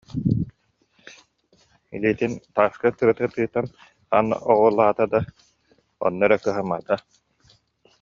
Илиитин тааска тырыта тыытан хаан оҕуолаата да, онно эрэ кыһаммата